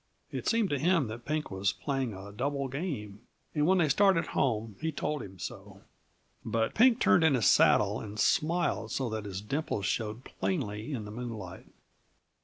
It seemed to him that Pink was playing a double game, and when they started home he told him so. But Pink turned in his saddle and smiled so that his dimples showed plainly in the moonlight.